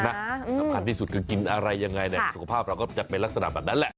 สำคัญที่สุดคือกินอะไรยังไงสุขภาพเราก็จะเป็นลักษณะแบบนั้นแหละ